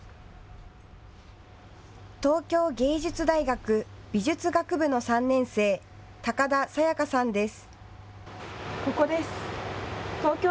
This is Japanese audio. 東京藝術大学美術学部の３年生、高田清花さんです。